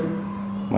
mà đến địa bàn